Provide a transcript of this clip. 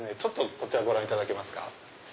こちらご覧いただけますか。